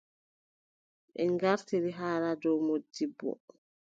Ɓe ngartiri haala dow moodibbo.